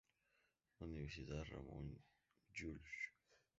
Universidad Ramon Llull